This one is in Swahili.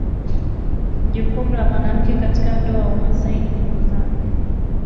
Jukumu la mwanamke katika ndoa umasaini ni kuzaa